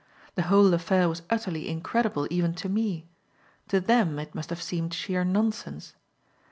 The whole affair was utterly incredible even to me; to them it must have seemed sheer nonsense.